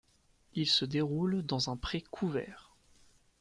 Il se déroule dans un pré couvert.